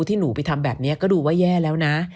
ที่หนูไปทำแบบนี้ก็ดูว่าแย่แล้วนะ